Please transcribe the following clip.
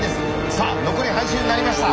さあ残り半周になりました。